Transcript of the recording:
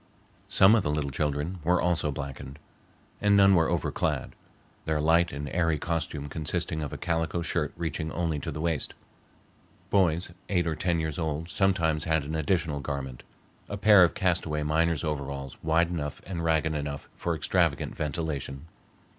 Some of the little children were also blackened, and none were over clad, their light and airy costume consisting of a calico shirt reaching only to the waist. Boys eight or ten years old sometimes had an additional garment,—a pair of castaway miner's overalls wide enough and ragged enough for extravagant ventilation.